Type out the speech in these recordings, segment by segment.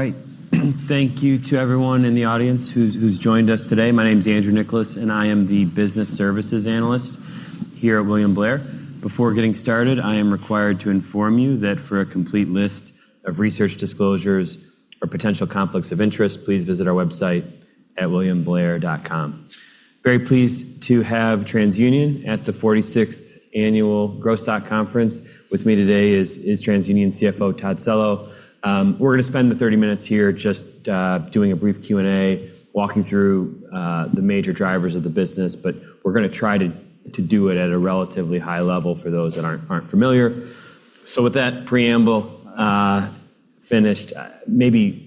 All right. Thank you to everyone in the audience who's joined us today. My name's Andrew Nicholas. I am the business services analyst here at William Blair. Before getting started, I am required to inform you that for a complete list of research disclosures or potential conflicts of interest, please visit our website at williamblair.com. Very pleased to have TransUnion at the 46th Annual Growth Stock Conference. With me today is TransUnion CFO, Todd Cello. We're going to spend the 30 minutes here just doing a brief Q&A, walking through the major drivers of the business. We're going to try to do it at a relatively high level for those that aren't familiar. With that preamble finished, maybe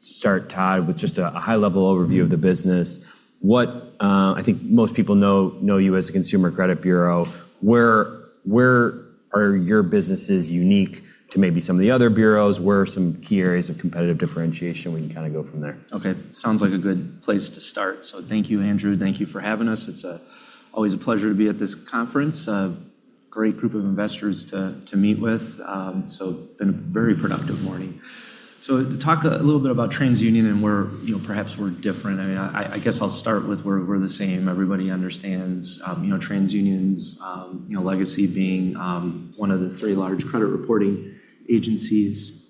start, Todd, with just a high-level overview of the business. I think most people know you as a consumer credit bureau. Where are your businesses unique to maybe some of the other bureaus? Where are some key areas of competitive differentiation? We can go from there. Sounds like a good place to start. Thank you, Andrew. Thank you for having us. It's always a pleasure to be at this conference. A great group of investors to meet with. Been a very productive morning. To talk a little bit about TransUnion and where perhaps we're different. I guess I'll start with where we're the same. Everybody understands TransUnion's legacy being one of the three large credit reporting agencies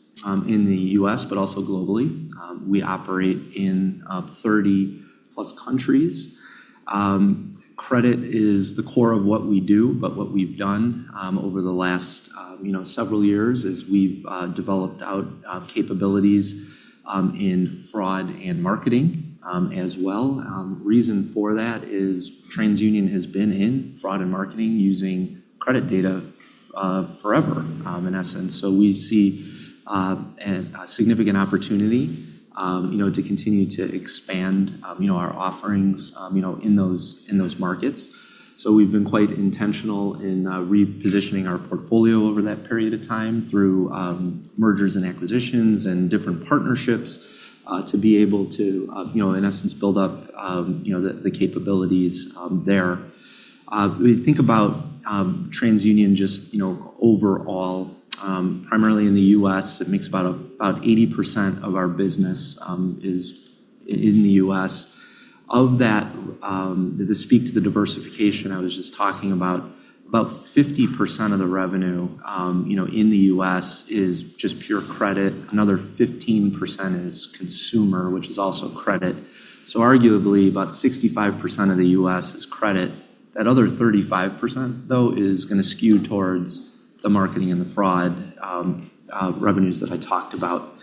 in the U.S., but also globally. We operate in 30 plus countries. Credit is the core of what we do, but what we've done over the last several years is we've developed out capabilities in fraud and marketing as well. Reason for that is TransUnion has been in fraud and marketing using credit data forever, in essence. We see a significant opportunity to continue to expand our offerings in those markets. We've been quite intentional in repositioning our portfolio over that period of time through mergers and acquisitions and different partnerships, to be able to, in essence, build up the capabilities there. We think about TransUnion just overall, primarily in the U.S. It makes about 80% of our business is in the U.S. Of that, to speak to the diversification I was just talking about 50% of the revenue in the U.S. is just pure credit. Another 15% is consumer, which is also credit. Arguably, about 65% of the U.S. is credit. That other 35%, though, is going to skew towards the marketing and the fraud revenues that I talked about.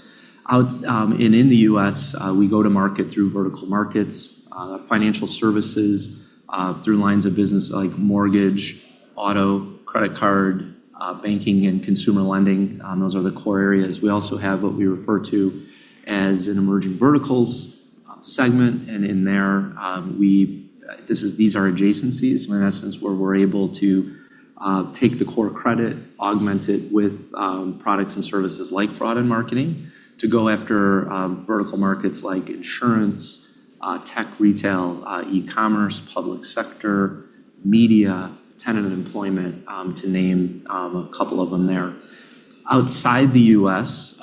In the U.S., we go to market through vertical markets, financial services, through lines of business like mortgage, auto, credit card, banking, and consumer lending. Those are the core areas. We also have what we refer to as an Emerging Verticals segment. In there, these are adjacencies, in essence, where we're able to take the core credit, augment it with products and services like fraud and marketing to go after vertical markets like insurance, tech, retail, e-commerce, public sector, media, tenant, and employment, to name a couple of them there. Outside the U.S.,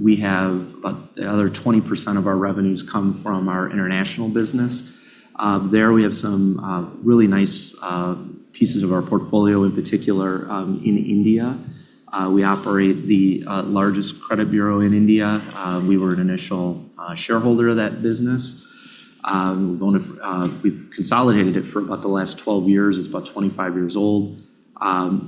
we have the other 20% of our revenues come from our international business. There, we have some really nice pieces of our portfolio, in particular, in India. We operate the largest credit bureau in India. We were an initial shareholder of that business. We've consolidated it for about the last 12 years. It's about 25 years old.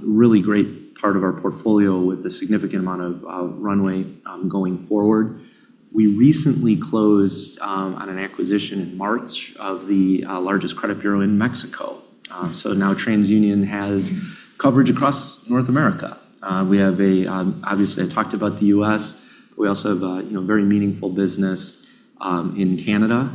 Really great part of our portfolio with a significant amount of runway going forward. We recently closed on an acquisition in March of the largest credit bureau in Mexico. Now TransUnion has coverage across North America. Obviously, I talked about the U.S. We also have a very meaningful business in Canada.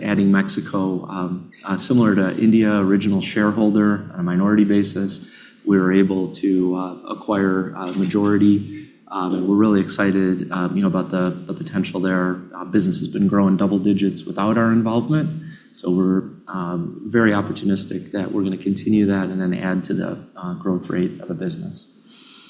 Adding Mexico, similar to India, original shareholder on a minority basis, we were able to acquire a majority. We're really excited about the potential there. Business has been growing double digits without our involvement. We're very opportunistic that we're going to continue that and then add to the growth rate of the business.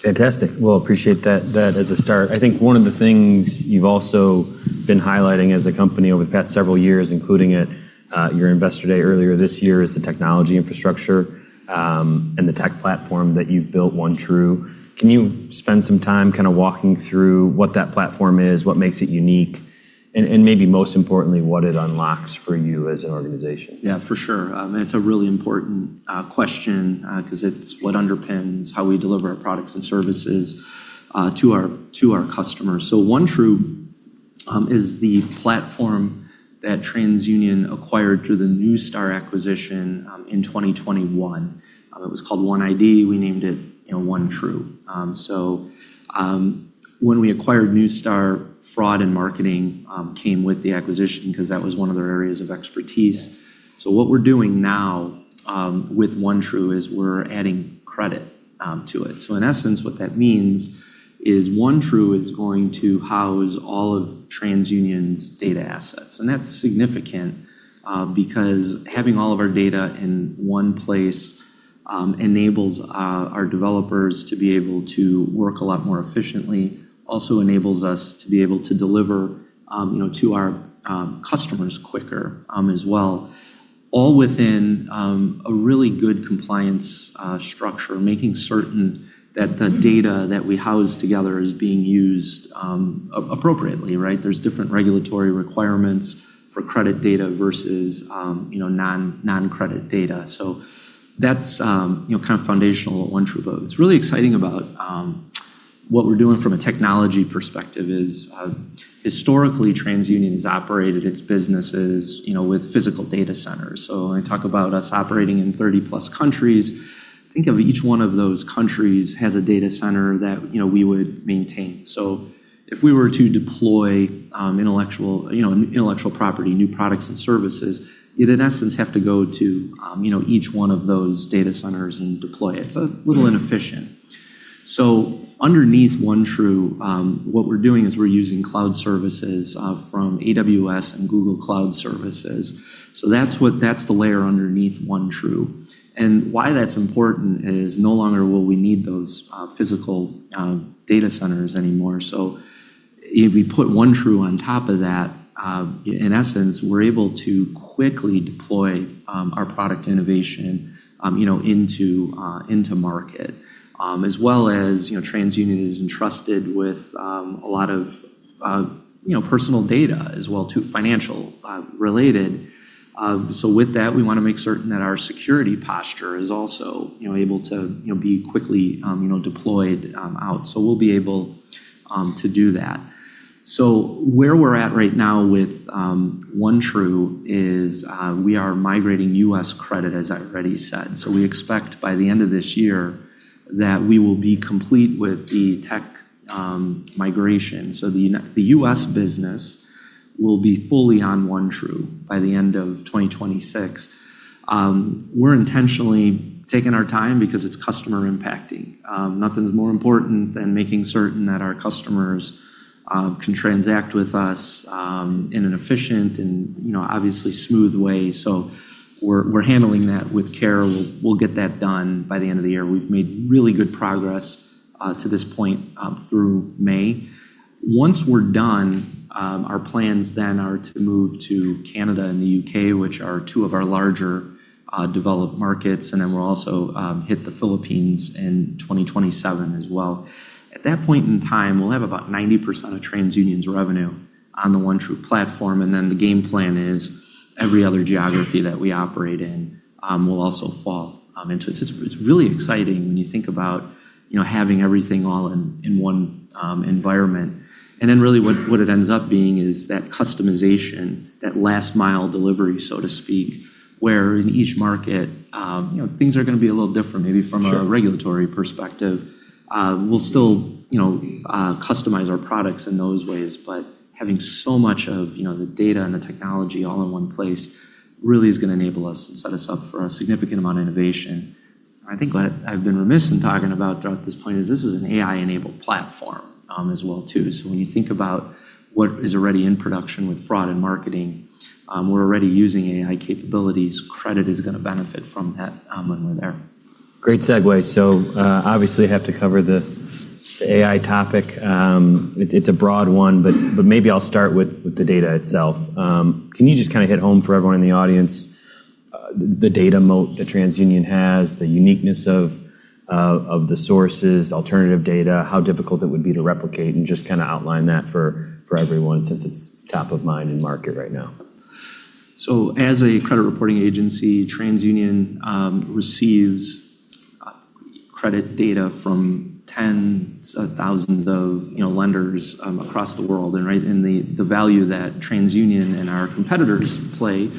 Fantastic. Well, appreciate that as a start. I think one of the things you've also been highlighting as a company over the past several years, including at your investor day earlier this year, is the technology infrastructure and the tech platform that you've built, OneTru. Can you spend some time walking through what that platform is, what makes it unique, and maybe most importantly, what it unlocks for you as an organization? Yeah, for sure. It's a really important question because it's what underpins how we deliver our products and services to our customers. OneTru is the platform that TransUnion acquired through the Neustar acquisition in 2021. It was called OneID. We named it OneTru. When we acquired Neustar, fraud and marketing came with the acquisition because that was one of their areas of expertise. What we're doing now with OneTru is we're adding credit to it. In essence, what that means is OneTru is going to house all of TransUnion's data assets. That's significant because having all of our data in one place enables our developers to be able to work a lot more efficiently, also enables us to be able to deliver to our customers quicker as well, all within a really good compliance structure, making certain that the data that we house together is being used appropriately, right? There's different regulatory requirements for credit data versus non-credit data. That's foundational at OneTru, but what's really exciting about what we're doing from a technology perspective is historically TransUnion has operated its businesses with physical data centers. When I talk about us operating in 30+ countries, think of each one of those countries has a data center that we would maintain. If we were to deploy intellectual property, new products and services, you'd in essence have to go to each one of those data centers and deploy it. It's a little inefficient. Underneath OneTru, what we're doing is we're using cloud services from AWS and Google Cloud Platform. That's the layer underneath OneTru. Why that's important is no longer will we need those physical data centers anymore. If we put OneTru on top of that, in essence, we're able to quickly deploy our product innovation into market. As well as TransUnion is entrusted with a lot of personal data as well too, financial related. With that, we want to make certain that our security posture is also able to be quickly deployed out. We'll be able to do that. Where we're at right now with OneTru is we are migrating U.S. credit, as I've already said. We expect by the end of this year that we will be complete with the tech migration. The U.S. business will be fully on OneTru by the end of 2026. We're intentionally taking our time because it's customer impacting. Nothing's more important than making certain that our customers can transact with us in an efficient and obviously smooth way. We're handling that with care. We'll get that done by the end of the year. We've made really good progress to this point through May. Once we're done, our plans then are to move to Canada and the U.K., which are two of our larger developed markets, and then we'll also hit the Philippines in 2027 as well. At that point in time, we'll have about 90% of TransUnion's revenue on the OneTru platform, and then the game plan is every other geography that we operate in will also fall into it. It's really exciting when you think about having everything all in one environment. Really what it ends up being is that customization, that last mile delivery, so to speak, where in each market things are going to be a little different maybe from-. Sure a regulatory perspective. We'll still customize our products in those ways, but having so much of the data and the technology all in one place really is going to enable us and set us up for a significant amount of innovation. I think what I've been remiss in talking about throughout this point is this is an AI-enabled platform as well too. When you think about what is already in production with fraud and marketing, we're already using AI capabilities. Credit is going to benefit from that when we're there. Great segue. Obviously have to cover the AI topic. It's a broad one, but maybe I'll start with the data itself. Can you just hit home for everyone in the audience the data moat that TransUnion has, the uniqueness of the sources, alternative data, how difficult it would be to replicate, and just outline that for everyone since it's top of mind in market right now? As a credit reporting agency, TransUnion receives credit data from tens of thousands of lenders across the world. The value that TransUnion and our competitors play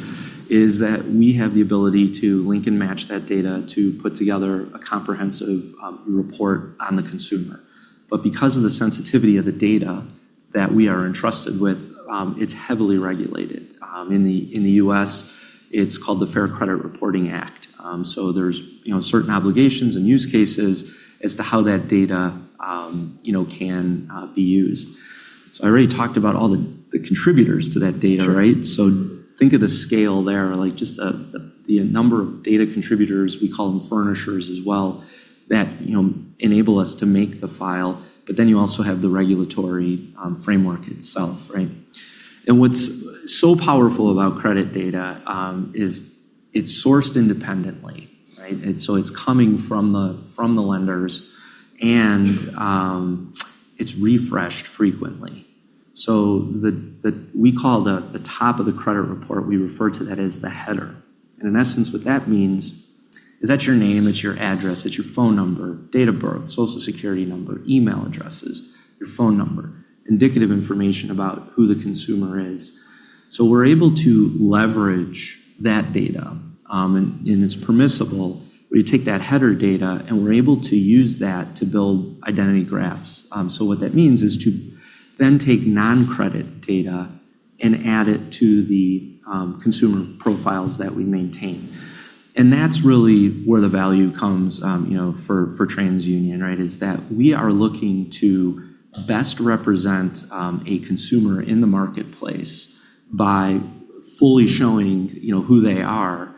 is that we have the ability to link and match that data to put together a comprehensive report on the consumer. Because of the sensitivity of the data that we are entrusted with, it's heavily regulated. In the U.S., it's called the Fair Credit Reporting Act. There's certain obligations and use cases as to how that data can be used. I already talked about all the contributors to that data, right? Sure. Think of the scale there, just the number of data contributors, we call them furnishers as well, that enable us to make the file. You also have the regulatory framework itself, right? What's so powerful about credit data is it's sourced independently, right? It's coming from the lenders and it's refreshed frequently. We call the top of the credit report, we refer to that as the header. In essence, what that means is that's your name, that's your address, that's your phone number, date of birth, Social Security number, email addresses, your phone number, indicative information about who the consumer is. We're able to leverage that data, and it's permissible. We take that header data, and we're able to use that to build identity graphs. What that means is to then take non-credit data and add it to the consumer profiles that we maintain. That's really where the value comes for TransUnion, is that we are looking to best represent a consumer in the marketplace by fully showing who they are.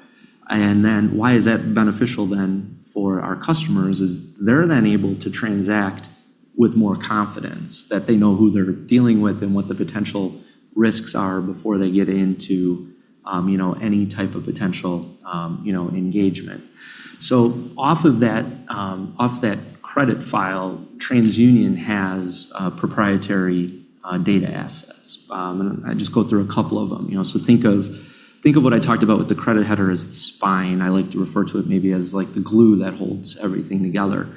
Why is that beneficial then for our customers is they're then able to transact with more confidence that they know who they're dealing with and what the potential risks are before they get into any type of potential engagement. Off that credit file, TransUnion has proprietary data assets. I'll just go through a couple of them. Think of what I talked about with the credit header as the spine. I like to refer to it maybe as the glue that holds everything together.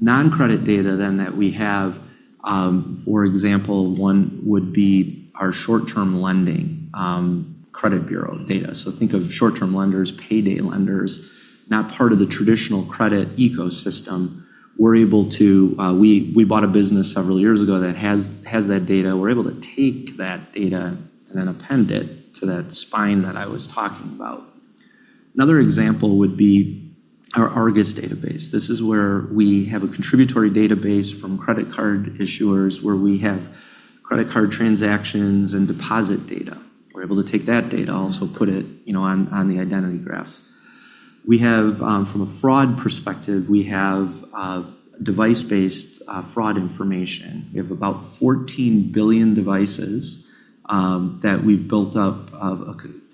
Non-credit data that we have, for example, one would be our short-term lending credit bureau data. Think of short-term lenders, payday lenders, not part of the traditional credit ecosystem. We bought a business several years ago that has that data. We're able to take that data append it to that spine that I was talking about. Another example would be our Argus database. This is where we have a contributory database from credit card issuers where we have credit card transactions and deposit data. We're able to take that data also put it on the identity graphs. From a fraud perspective, we have device-based fraud information. We have about 14 billion devices that we've built up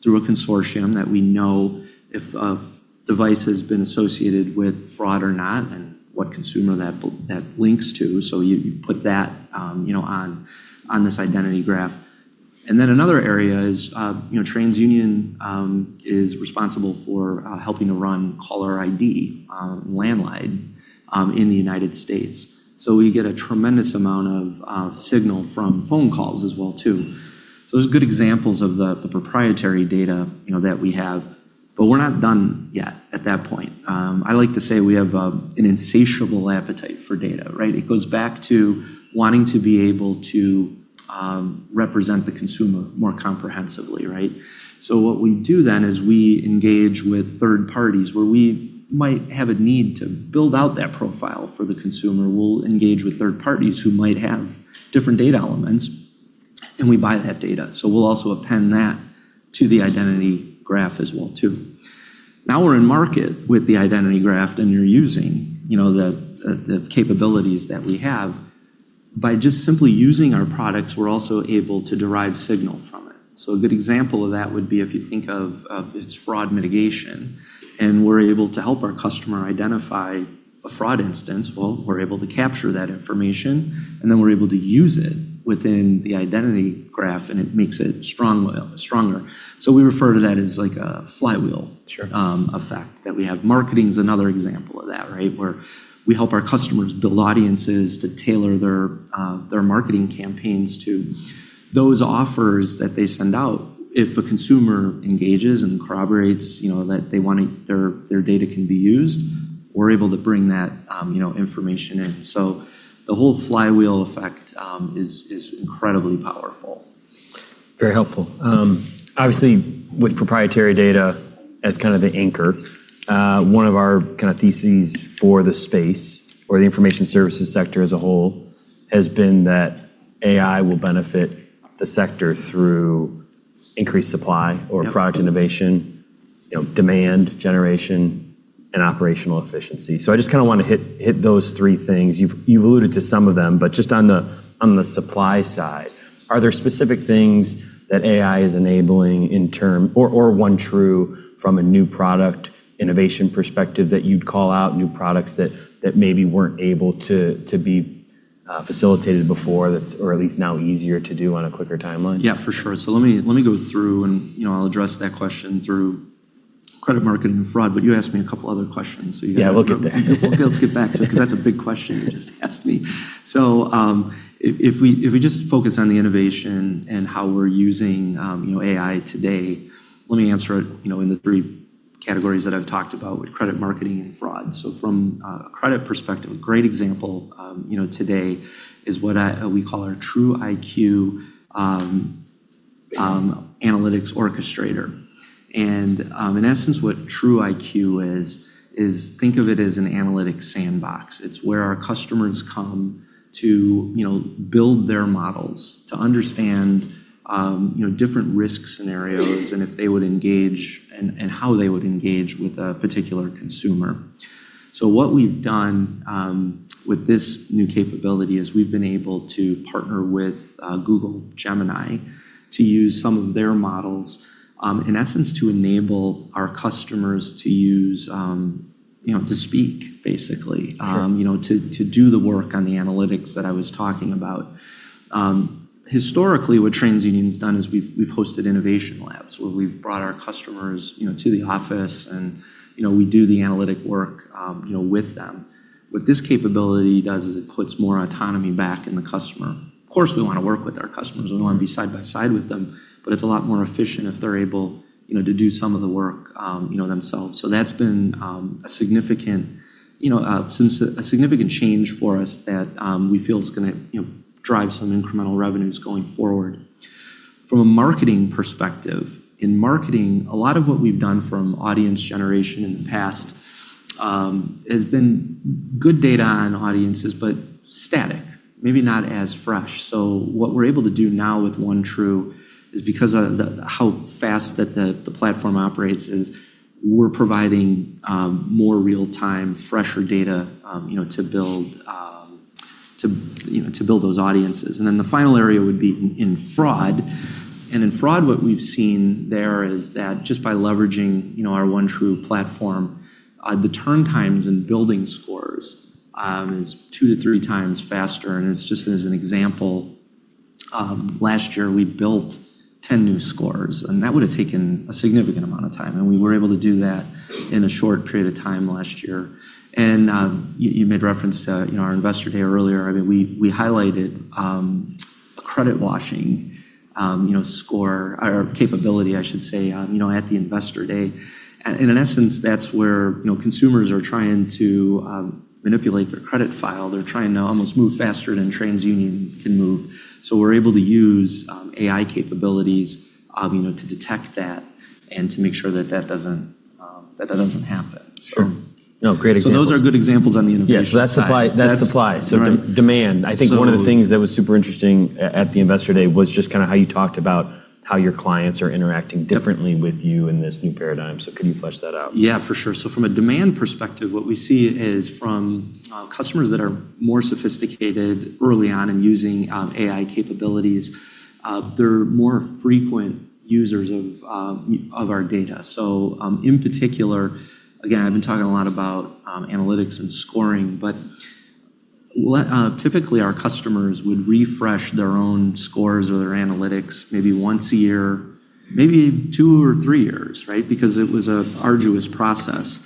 through a consortium that we know if a device has been associated with fraud or not and what consumer that links to. You put that on this identity graph. Another area is TransUnion is responsible for helping to run caller ID landline in the United States. We get a tremendous amount of signal from phone calls as well too. Those are good examples of the proprietary data that we have, but we're not done yet at that point. I like to say we have an insatiable appetite for data, right? It goes back to wanting to be able to represent the consumer more comprehensively, right? What we do then is we engage with third parties where we might have a need to build out that profile for the consumer. We'll engage with third parties who might have different data elements, and we buy that data. We'll also append that to the identity graph as well too. Now we're in market with the identity graph, and you're using the capabilities that we have. By just simply using our products, we're also able to derive signal from it. A good example of that would be if you think of its fraud mitigation, and we're able to help our customer identify a fraud instance. We're able to capture that information, and then we're able to use it within the identity graph, and it makes it stronger. We refer to that as like a flywheel. Sure effect that we have. Marketing is another example of that, right? Where we help our customers build audiences to tailor their marketing campaigns to those offers that they send out. If a consumer engages and corroborates that their data can be used, we're able to bring that information in. The whole flywheel effect is incredibly powerful. Very helpful. Obviously, with proprietary data as the anchor, one of our theses for the space or the information services sector as a whole has been that AI will benefit the sector through increased supply or product innovation, demand generation, and operational efficiency. I just want to hit those three things. You've alluded to some of them, but just on the supply side, are there specific things that AI is enabling in term or OneTru from a new product innovation perspective that you'd call out new products that maybe weren't able to be facilitated before at least now easier to do on a quicker timeline? Yeah, for sure. Let me go through and I'll address that question through credit marketing and fraud. You asked me a couple other questions. Yeah, we'll get there. Okay. Let's get back to it because that's a big question you just asked me. If we just focus on the innovation and how we're using AI today, let me answer it in the three categories that I've talked about with credit, marketing, and fraud. From a credit perspective, a great example today is what we call our TruIQ Analytics Orchestrator. In essence, what TruIQ is think of it as an analytics sandbox. It's where our customers come to build their models to understand different risk scenarios and if they would engage and how they would engage with a particular consumer. What we've done with this new capability is we've been able to partner with Google Gemini to use some of their models, in essence, to enable our customers to speak basically. Sure. To do the work on the analytics that I was talking about. Historically, what TransUnion's done is we've hosted innovation labs where we've brought our customers to the office, and we do the analytic work with them. What this capability does is it puts more autonomy back in the customer. Of course, we want to work with our customers. We want to be side by side with them, but it's a lot more efficient if they're able to do some of the work themselves. That's been a significant change for us that we feel is going to drive some incremental revenues going forward. From a marketing perspective, in marketing, a lot of what we've done from audience generation in the past has been good data on audiences, but static, maybe not as fresh. What we're able to do now with OneTru is because of how fast the platform operates is we're providing more real-time, fresher data to build those audiences. The final area would be in fraud. In fraud, what we've seen there is that just by leveraging our OneTru platform, the turn times in building scores is two to three times faster. Just as an example, last year we built 10 new scores, and that would've taken a significant amount of time, and we were able to do that in a short period of time last year. You made reference to our investor day earlier. We highlighted credit washing score or capability, I should say, at the investor day. In essence, that's where consumers are trying to manipulate their credit file. They're trying to almost move faster than TransUnion can move. We're able to use AI capabilities to detect that and to make sure that that doesn't happen. Sure. No, great examples. Those are good examples on the innovation side. Yeah. That's supply. That's right. Demand. I think one of the things that was super interesting at the investor day was just how you talked about how your clients are interacting differently with you in this new paradigm. Could you flesh that out? Yeah, for sure. From a demand perspective, what we see is from customers that are more sophisticated early on and using AI capabilities, they're more frequent users of our data. In particular, again, I've been talking a lot about analytics and scoring, but typically our customers would refresh their own scores or their analytics maybe once a year, maybe two or three years, right? Because it was an arduous process.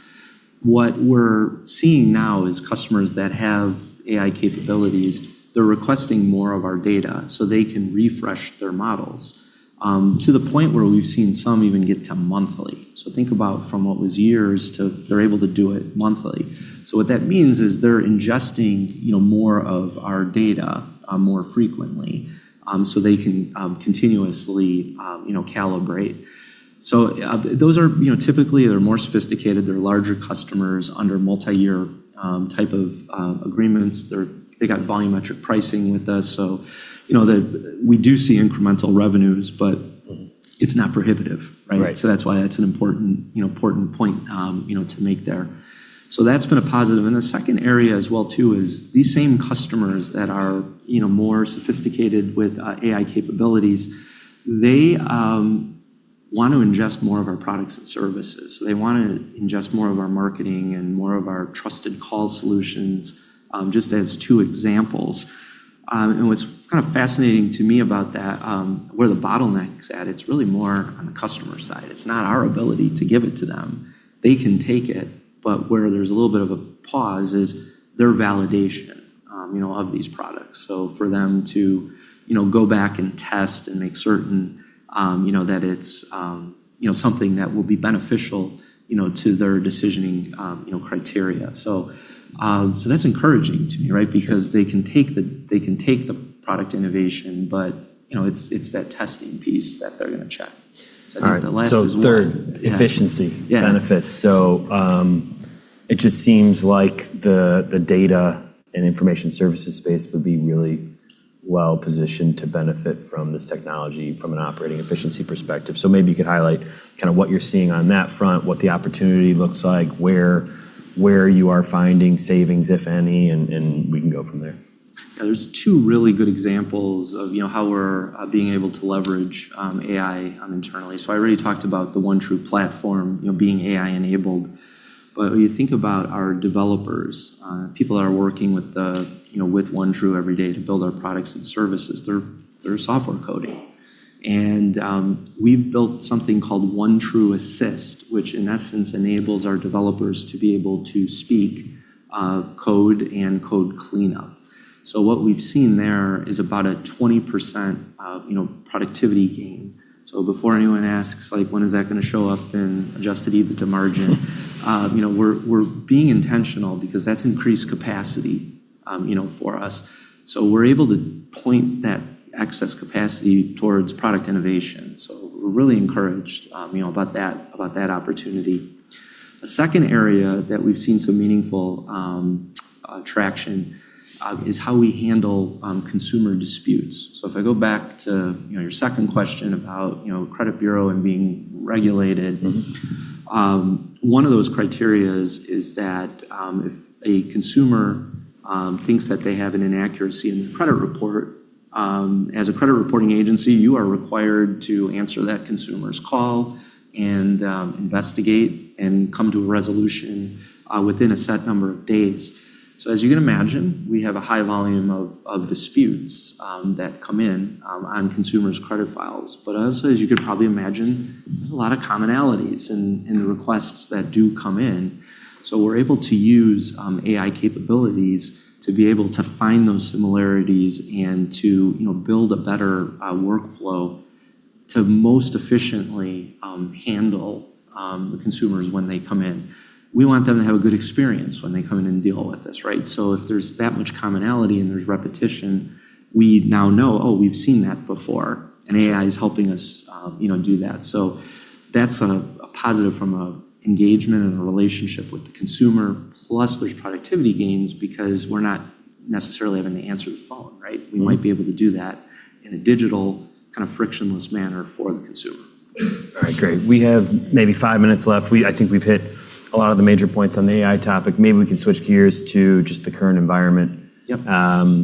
What we're seeing now is customers that have AI capabilities, they're requesting more of our data so they can refresh their models, to the point where we've seen some even get to monthly. Think about from what was years to they're able to do it monthly. What that means is they're ingesting more of our data more frequently, so they can continuously calibrate. Those are typically, they're more sophisticated. They're larger customers under multi-year type of agreements. They got volumetric pricing with us, so we do see incremental revenues, but it's not prohibitive, right? Right. That's why that's an important point to make there. That's been a positive. The second area as well too is these same customers that are more sophisticated with AI capabilities, they want to ingest more of our products and services. They want to ingest more of our marketing and more of our TruContact Trusted Call Solutions, just as two examples. What's fascinating to me about that, where the bottleneck's at, it's really more on the customer side. It's not our ability to give it to them. They can take it, but where there's a little bit of a pause is their validation of these products. For them to go back and test and make certain that it's something that will be beneficial to their decisioning criteria. That's encouraging to me, right. Because they can take the product innovation, but it's that testing piece that they're going to check. I think the last as well. Third, efficiency benefits. Yeah. It just seems like the data and information services space would be really well-positioned to benefit from this technology from an operating efficiency perspective. Maybe you could highlight what you're seeing on that front, what the opportunity looks like, where you are finding savings, if any, and we can go from there. Yeah, there's two really good examples of how we're being able to leverage AI internally. I already talked about the OneTru platform being AI-enabled. When you think about our developers, people that are working with OneTru every day to build our products and services, they're software coding. We've built something called OneTru Assist, which in essence enables our developers to be able to speak code and code cleanup. What we've seen there is about a 20% productivity gain. Before anyone asks, "When is that going to show up in Adjusted EBITDA margin?" We're being intentional because that's increased capacity for us. We're able to point that excess capacity towards product innovation. We're really encouraged about that opportunity. A second area that we've seen some meaningful traction is how we handle consumer disputes. If I go back to your second question about credit bureau and being regulated. One of those criteria is that, if a consumer thinks that they have an inaccuracy in their credit report, as a credit reporting agency, you are required to answer that consumer's call and investigate and come to a resolution within a set number of days. As you can imagine, we have a high volume of disputes that come in on consumers' credit files. Also, as you could probably imagine, there's a lot of commonalities in the requests that do come in. We're able to use AI capabilities to be able to find those similarities and to build a better workflow to most efficiently handle the consumers when they come in. We want them to have a good experience when they come in and deal with us, right? If there's that much commonality and there's repetition, we now know, oh, we've seen that before. AI is helping us do that. That's a positive from an engagement and a relationship with the consumer. Plus, there's productivity gains because we're not necessarily having to answer the phone, right? We might be able to do that in a digital, kind of frictionless manner for the consumer. All right, great. We have maybe five minutes left. I think we've hit a lot of the major points on the AI topic. Maybe we can switch gears to just the current environment. Yep.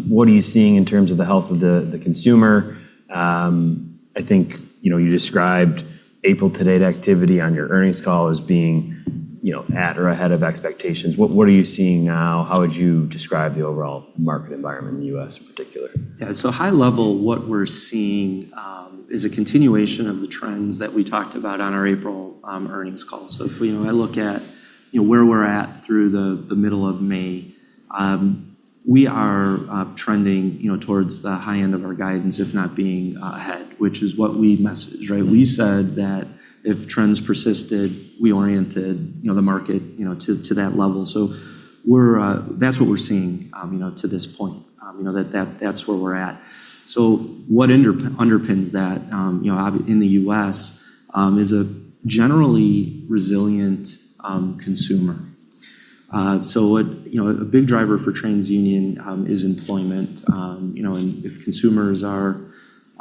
What are you seeing in terms of the health of the consumer? I think you described April to date activity on your earnings call as being at or ahead of expectations. What are you seeing now? How would you describe the overall market environment in the U.S. in particular? Yeah. High-level, what we're seeing is a continuation of the trends that we talked about on our April earnings call. If I look at where we're at through the middle of May, we are trending towards the high-end of our guidance, if not being ahead, which is what we messaged, right? We said that if trends persisted, we oriented the market to that level. That's what we're seeing to this point. That's where we're at. What underpins that in the U.S. is a generally resilient consumer. A big driver for TransUnion is employment. If consumers are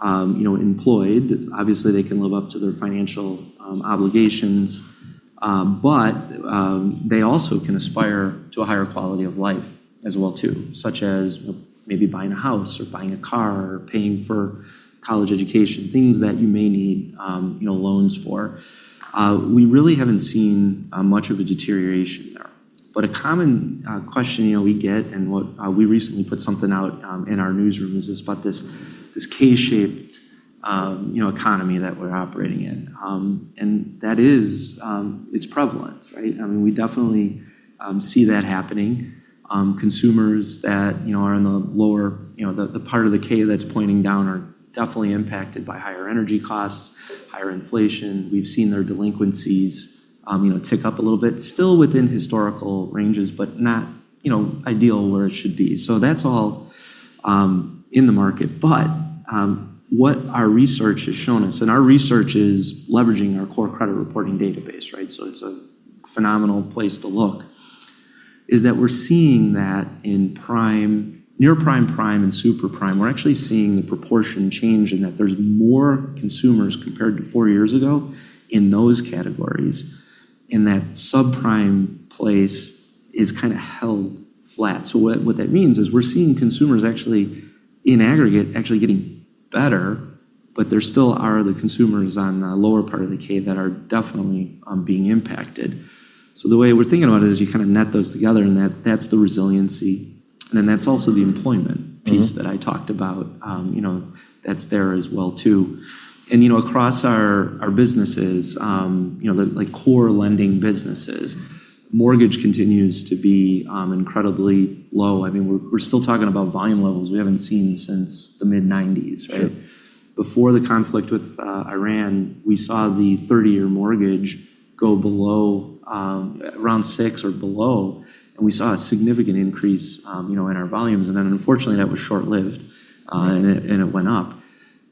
employed, obviously they can live up to their financial obligations. They also can aspire to a higher quality of life as well, too, such as maybe buying a house or buying a car or paying for college education, things that you may need loans for. We really haven't seen much of a deterioration there. A common question we get and we recently put something out in our newsrooms is about this K-shaped economy that we're operating in, and it's prevalent, right? We definitely see that happening. Consumers that are in the lower, the part of the K that's pointing down, are definitely impacted by higher energy costs, higher inflation. We've seen their delinquencies tick up a little bit, still within historical ranges, but not ideal where it should be. That's all in the market. What our research has shown us, and our research is leveraging our core credit reporting database, right, so it's a phenomenal place to look, is that we're seeing that in near-prime, prime, and super-prime. We're actually seeing the proportion change in that there's more consumers compared to four years ago in those categories, and that subprime place is kind of held flat. What that means is we're seeing consumers actually, in aggregate, actually getting better, but there still are the consumers on the lower part of the K that are definitely being impacted. The way we're thinking about it is you kind of net those together, and that's the resiliency, that's also the employment piece. that I talked about. That's there as well, too. Across our businesses, like core lending businesses, mortgage continues to be incredibly low. We're still talking about volume levels we haven't seen since the mid-'90s, right? Sure. Before the conflict with Iran, we saw the 30-year mortgage go around six or below, and we saw a significant increase in our volumes. Unfortunately, that was short-lived and it went up.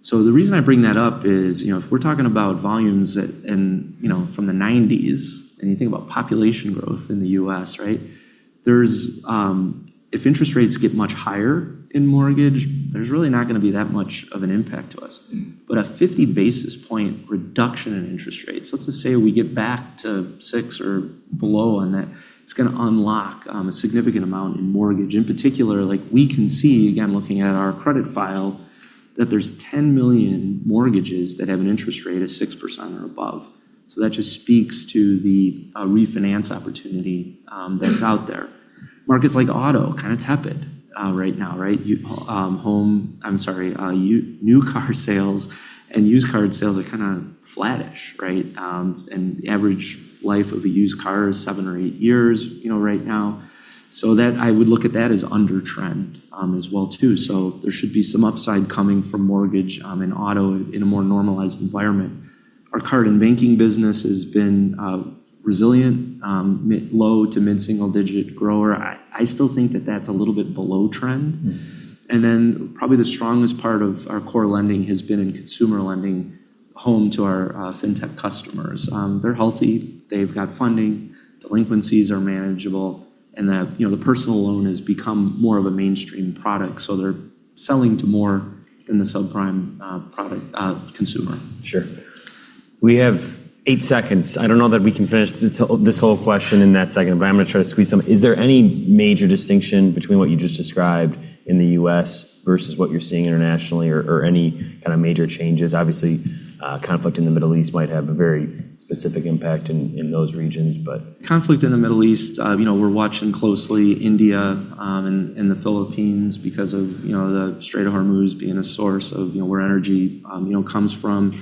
The reason I bring that up is if we're talking about volumes from the '90s and you think about population growth in the U.S., right, if interest rates get much higher in mortgage, there's really not going to be that much of an impact to us. A 50 basis point reduction in interest rates, let's just say we get back to 6% or below on that, it's going to unlock a significant amount in mortgage. In particular, we can see, again, looking at our credit file, that there's 10 million mortgages that have an interest rate of 6% or above. That just speaks to the refinance opportunity that's out there. Markets like auto, kind of tepid right now, right? New car sales and used car sales are kind of flattish, right? The average life of a used car is seven or eight years right now. I would look at that as under trend as well, too. There should be some upside coming from mortgage and auto in a more normalized environment. Our card and banking business has been resilient, mid low to mid-single-digit grower. I still think that that's a little bit below trend. Probably the strongest part of our core lending has been in consumer lending home to our fintech customers. They're healthy. They've got funding. Delinquencies are manageable, and the personal loan has become more of a mainstream product. They're selling to more than the subprime consumer. Sure. We have eight seconds. I don't know that we can finish this whole question in that second, but I'm going to try to squeeze some. Is there any major distinction between what you just described in the U.S. versus what you're seeing internationally or any kind of major changes? Obviously, conflict in the Middle East might have a very specific impact in those regions. Conflict in the Middle East, we're watching closely India and the Philippines because of the Strait of Hormuz being a source of where energy comes from.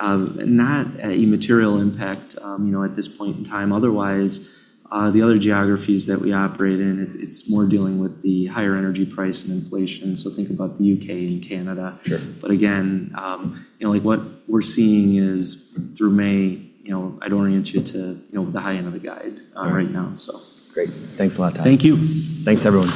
Not a material impact at this point in time. Otherwise, the other geographies that we operate in, it's more dealing with the higher energy price and inflation, so think about the U.K. and Canada. Sure. Again, what we're seeing is through May, I'd orient you to the high end of the guide right now. Great. Thanks a lot, Todd. Thank you. Thanks, everyone.